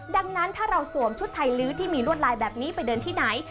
ดังนั้นถ้าเราสวมชุดไทยลื้อที่มีลวดลายแบบนี้ไปเดินที่ไหน